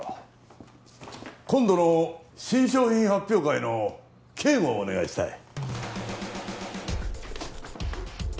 今度の新商品発表会の警護をお願いしたい。